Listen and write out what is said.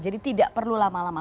jadi tidak perlu lama lama